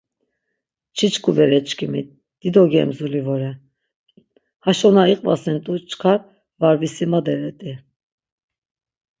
Çiçkubereçkimi dido gemzuli vore, aşo na iqvasint̆u çkar va visimaderet̆i.